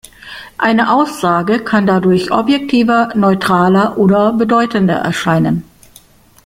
Eine Aussage kann dadurch objektiver, neutraler oder bedeutender erscheinen.